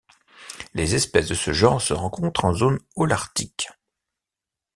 Les espèces de ce genre se rencontrent en zone holarctique.